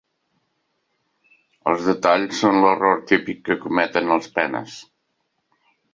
Els detalls són l'error típic que cometen els penes.